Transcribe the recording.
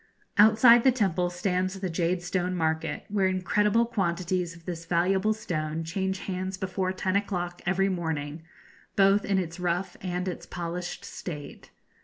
Outside the temple stands the Jadestone Market, where incredible quantities of this valuable stone change hands before ten o'clock every morning, both in its rough and its polished state.